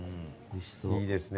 いいですね。